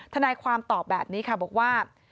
ทนายความตอบแบบนี้ค่ะบอกว่า